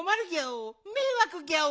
めいわくギャオ。